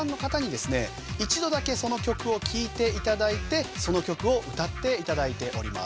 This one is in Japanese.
一度だけその曲を聴いて頂いてその曲を歌って頂いております。